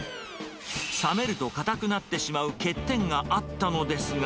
冷めるとかたくなってしまう欠点があったのですが。